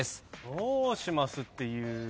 どうしますっていうか。